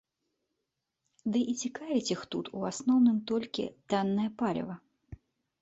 Ды і цікавіць іх тут, у асноўным, толькі таннае паліва.